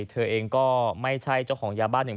เธอเองก็ไม่ใช่เจ้าของยาบ้า